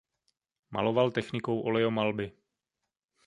Maloval technikou olejomalby.